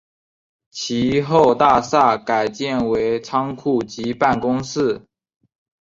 其后大厦改建为仓库及办公室。